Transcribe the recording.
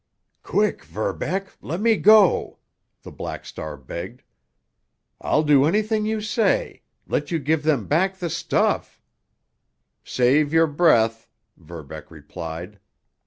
"Quick, Verbeck—let me go!" the Black Star begged. "I'll do anything you say—let you give them back the stuff——" "Save your breath!" Verbeck replied.